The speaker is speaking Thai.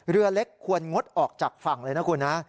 เรือเล็กควรงดออกจากฝั่งเลยนะคุณนะ